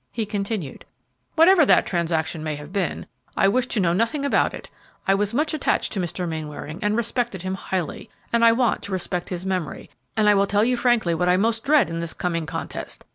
He continued, "Whatever that transaction may have been, I wish to know nothing about it. I was much attached to Mr. Mainwaring and respected him highly, and I want to respect his memory; and I will tell you frankly what I most dread in this coming contest.